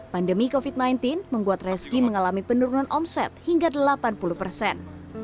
pandemi covid sembilan belas membuat reski mengalami penurunan omset hingga delapan puluh persen